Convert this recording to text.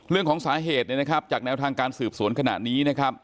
เรื่องของสาเหตุจากแนวทางการสืบสวนขนาดนี้